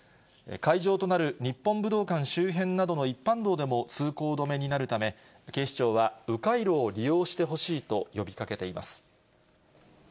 会場となる日本武道館周辺などの一般道でも通行止めになるため、警視庁は、う回路を利用してほしいと呼びかけています。